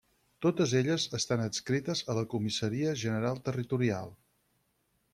Totes elles estan adscrites a la Comissaria General Territorial.